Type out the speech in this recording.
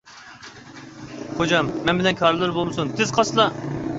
خوجام، مەن بىلەن كارىلىرى بولمىسۇن، تېز قاچسىلا!